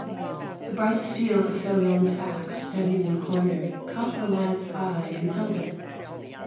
The bright steel of Felion's axe, standing in the corner, caught the lad's eye and held it.